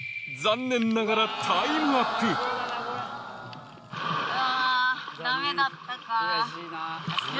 残念ながらうわ。